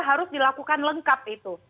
harus dilakukan lengkap itu